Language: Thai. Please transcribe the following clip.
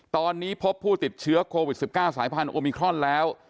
ตอนนี้พบผู้ติดเชื้อโควิด๑๙สายพันธุมิครอนแล้ว